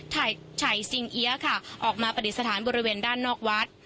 ฉัยซิงเอี๊ยะค่ะออกมาปฏิสถานบริเวณด้านนอกวัด